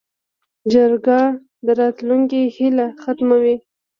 جګړه د راتلونکې هیله ختموي